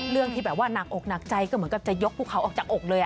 ที่แบบว่าหนักอกหนักใจก็เหมือนกับจะยกพวกเขาออกจากอกเลย